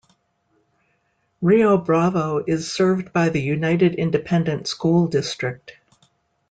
Rio Bravo is served by the United Independent School District.